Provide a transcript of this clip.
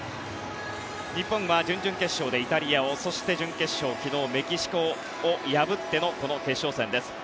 日本は準々決勝でイタリアをそして、準決勝昨日、メキシコを破ってのこの決勝戦です。